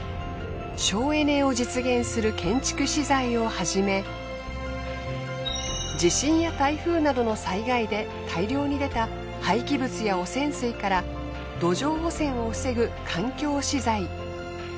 省エネを実現する建築資材をはじめ地震や台風などの災害で大量に出た廃棄物や汚染水から土壌汚染を防ぐ環境資材。